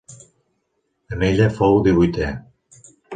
En ella fou divuitè.